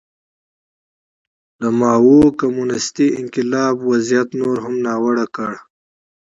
د ماوو کمونېستي انقلاب وضعیت نور هم ناوړه کړ.